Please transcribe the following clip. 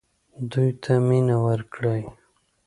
دوی ته مینه ورکړئ